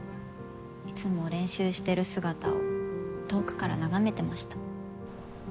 いつも練習してる姿を遠くから眺めてました。